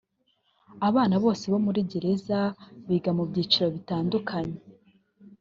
Abana bose bari muri gereza biga mu byiciro bitandukanye